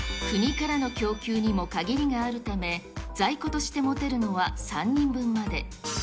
国からの供給にも限りがあるため、在庫として持てるのは３人分まで。